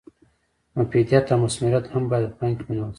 مفیدیت او مثمریت هم باید په پام کې ونیول شي.